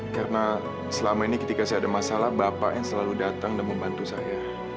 karena selama ini ketika saya ada masalah bapak yang selalu datang dan membantu saya